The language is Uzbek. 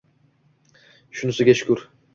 Shunisiga shukr